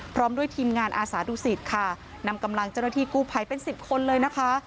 พร้อมด้วยทีมงานอาสาดุสิตค่ะนำกำลังเจ้าหน้าที่กู้ภัยเป็นสิบคนเลยนะคะ